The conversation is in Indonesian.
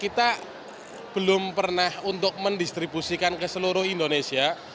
kita belum pernah untuk mendistribusikan ke seluruh indonesia